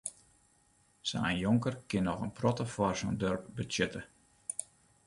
Sa'n jonker kin noch in protte foar sa'n doarp betsjutte.